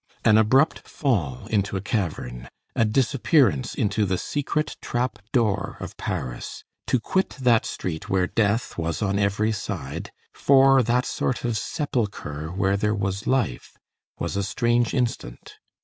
An abrupt fall into a cavern; a disappearance into the secret trap door of Paris; to quit that street where death was on every side, for that sort of sepulchre where there was life, was a strange instant.